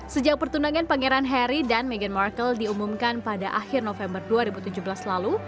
sejak pertundangan pangeran harry dan meghan markle diumumkan pada akhir november dua ribu tujuh belas lalu